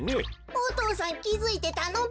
お父さんきづいてたのべ。